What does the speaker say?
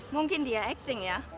mungkin dia acting ya